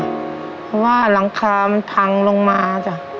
เพราะว่าหลังคามันพังลงมาจ้ะ